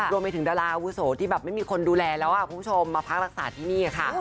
รวมไปถึงดาราอาวุโสที่แบบไม่มีคนดูแลแล้วคุณผู้ชมมาพักรักษาที่นี่ค่ะ